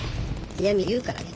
嫌み言うからね。